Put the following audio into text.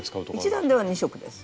１段では２色です。